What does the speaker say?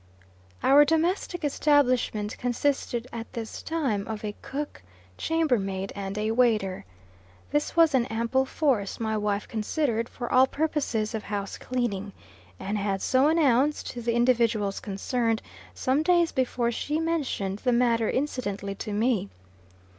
Our domestic establishment consisted at this time of a cook, chamber maid, and waiter. This was an ample force, my wife considered, for all purposes of house cleaning, and had so announced to the individuals concerned some days before she mentioned the matter incidentally to me.